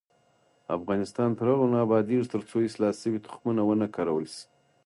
افغانستان تر هغو نه ابادیږي، ترڅو اصلاح شوي تخمونه ونه کارول شي.